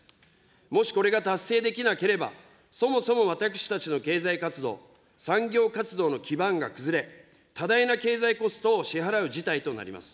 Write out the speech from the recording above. もしこれが達成できなければ、そもそも私たちの経済活動、産業活動の基盤が崩れ、多大な経済コストを支払う事態となります。